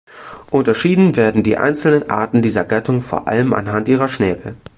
Unterschieden werden die einzelnen Arten dieser Gattung vor allem anhand ihrer Schnäbel.